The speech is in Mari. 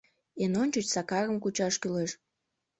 Эн ончыч Сакарым кучаш кӱлеш.